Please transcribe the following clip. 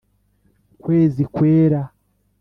kwezi kwera